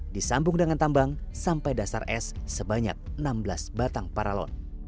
disambung dengan tambang sampai dasar es sebanyak enam belas batang paralon